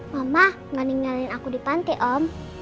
mama gak ninggalin aku di pantai om